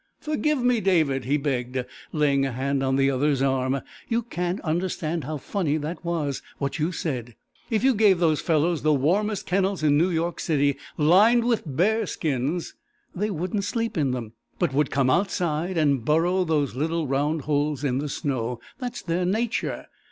"Forgive me, David," he begged, laying a hand on the other's arm. "You can't understand how funny that was what you said. If you gave those fellows the warmest kennels in New York City, lined with bear skins, they wouldn't sleep in them, but would come outside and burrow those little round holes in the snow. That's their nature.